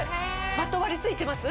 まとわり付いてます？